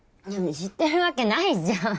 知ってるわけないじゃん！